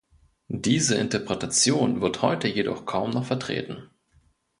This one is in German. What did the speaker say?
Diese Interpretation wird heute jedoch kaum noch vertreten.